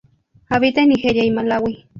Habita en Nigeria y Malaui.